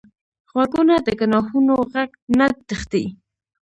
غوږونه د ګناهونو غږ نه تښتي